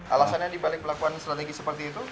alasannya dibalik melakukan strategi seperti itu